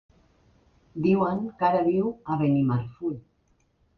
Diuen que ara viu a Benimarfull.